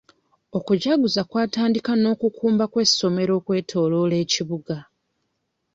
Okujjaguza kwatandika n'okukumba kw'essomero okwetoloola ekibuga.